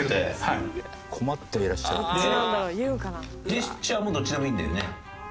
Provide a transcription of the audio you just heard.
ジェスチャーもどっちでもいいんだよね？